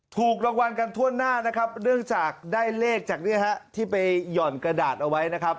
ถูกรางวัลกันทั่วหน้าเนื่องจากได้เลขที่ไปหย่อนกระดาษเอาไว้